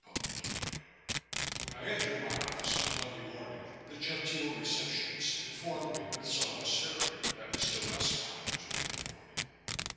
CHAPTER 11 When I entered my office on Monday morning, the genteel receptionist informed me with some austerity that Mr. Roscommon was waiting for me.